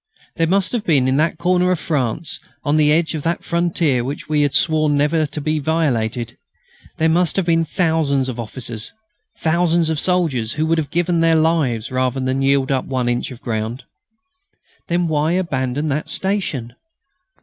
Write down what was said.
There must have been in that corner of France, on the edge of that frontier which we had sworn should never be violated there must have been thousands of officers, thousands of soldiers who would have given their lives rather than yield up one inch of ground. Then why abandon that station?